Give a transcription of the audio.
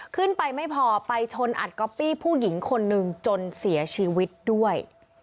ไม่พอไปชนอัดก๊อปปี้ผู้หญิงคนหนึ่งจนเสียชีวิตด้วย